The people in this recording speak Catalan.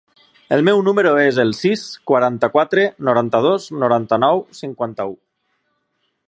El meu número es el sis, quaranta-quatre, noranta-dos, noranta-nou, cinquanta-u.